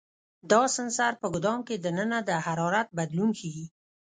دا سنسر په ګدام کې دننه د حرارت بدلون ښيي.